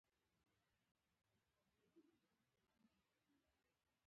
له اقتصادي پلوه نه نوی صنعت اغېزناک و او نه اشتراکیت ګټور و